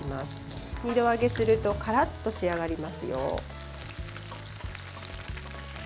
２度揚げするとカラッと仕上がりますよ。